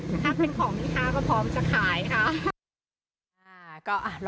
ถ้าเป็นของลูกค้าก็พร้อมจะขายค่ะ